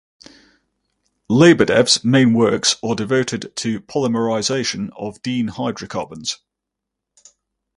Lebedev's main works are devoted to polymerisation of diene hydrocarbons.